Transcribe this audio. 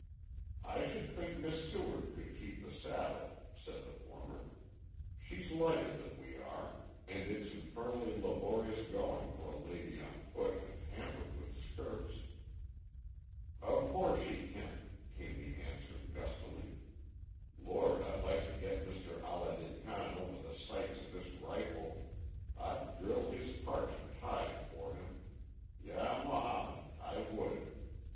"I should think Miss Seward could keep the saddle," said the former. "She's lighter than we are, and it's infernally laborious going for a lady on foot and hampered with skirts." "Of course she can," came the answer, gustily. "Lord, I'd like to get Mr Allah din Khan over the sights of this rifle. I'd drill his parchment hide for him. Ya Mahomed! I would."